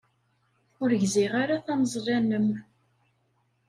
Ur gziɣ ara tameẓla-nnem.